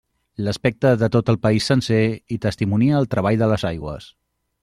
L'aspecte de tot el país sencer hi testimonia el treball de les aigües.